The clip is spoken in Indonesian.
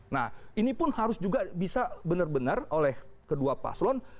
nah ini pun harus juga bisa benar benar oleh kedua paslon